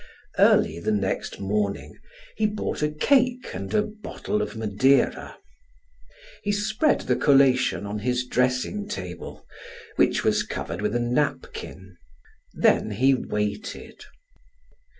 Early the next morning he bought a cake and a bottle of Madeira. He spread the collation on his dressing table which was covered with a napkin. Then he waited.